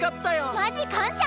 マジ感謝！